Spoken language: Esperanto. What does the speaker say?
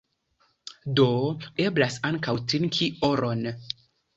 Do, eblas ankaŭ trinki oron.